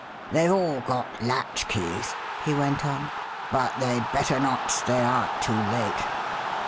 "TheyVe all got latchkeys," he went on, but they'd better not stay out too late."